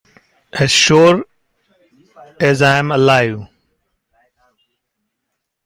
As sure as I am alive.